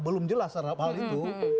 belum jelas terhadap hal itu